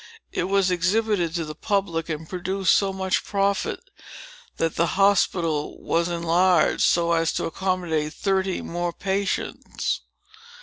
It was exhibited to the public, and produced so much profit that the Hospital was enlarged, so as to accommodate thirty more patients.